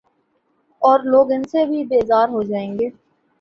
اورلوگ ان سے بھی بیزار ہوجائیں گے۔